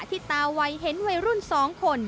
ที่ตาวัยเห็นวัยรุ่น๒คน